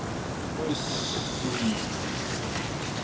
よし！